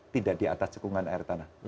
tidak di atas cekungan air tanah